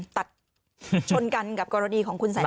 ตัดชนกันกับกรณีของคุณแสง